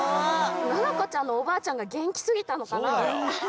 ななこちゃんのおばあちゃんがげんきすぎたのかな？